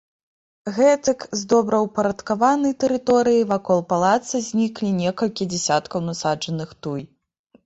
Гэтак, з добраўпарадкаванай тэрыторыі вакол палаца зніклі некалькі дзясяткаў насаджаных туй.